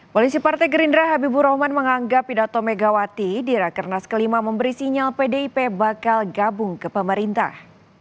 polisi partai gerindra habibur rahman menganggap pidato megawati di rakernas kelima memberi sinyal pdip bakal gabung ke pemerintah